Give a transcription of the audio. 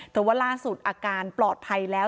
แต่ว่าล่าสุดอาการปลอดภัยแล้ว